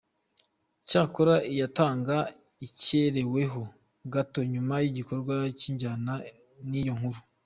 Cyakora iyatanga ikereweho gato nyuma y’igikorwa kijyana n’iyo nkuru.